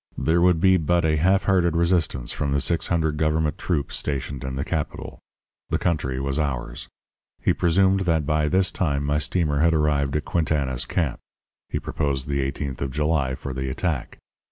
There would be but a half hearted resistance from the six hundred government troops stationed in the capital. The country was ours. He presumed that by this time my steamer had arrived at Quintana's camp. He proposed the eighteenth of July for the attack.